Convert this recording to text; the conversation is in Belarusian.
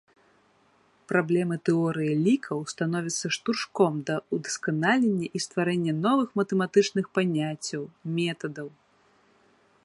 Праблемы тэорыі лікаў становяцца штуршком да ўдасканалення і стварэння новых матэматычных паняццяў, метадаў.